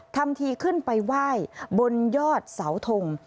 ทำทีขึ้นไปไหว้บนยอดเสาทง